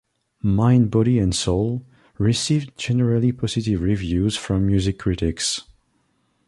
"Mind Body and Soul" received generally positive reviews from music critics.